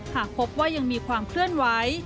หากพบว่ายังมีความเคลื่อนไหว